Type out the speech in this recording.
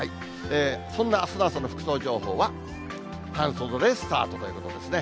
そんなあすの朝の服装情報は、半袖でスタートということですね。